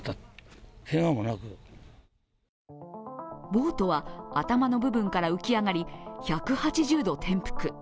ボートは頭の部分から浮き上がり１８０度転覆。